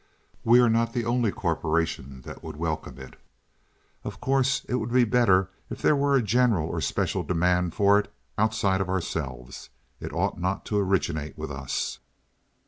We are not the only corporation that would welcome it. Of course, it would be better if there were a general or special demand for it outside of ourselves. It ought not to originate with us."